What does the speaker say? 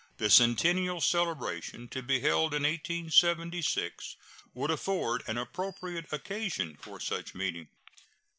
The Centennial Celebration to be held in 1876 would afford an appropriate occasion for such meeting.